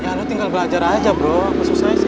ya lo tinggal belajar aja bro apa susahnya sih